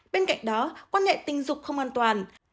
bên cạnh đó quan hệ tình dục không an toàn